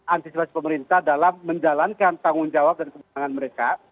antisipasi pemerintah dalam menjalankan tanggung jawab dan kemenangan mereka